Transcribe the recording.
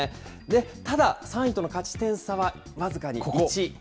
ただ、３位との勝ち点差は僅かに僅かに１。